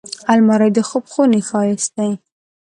الماري د خوب خونې ښايست دی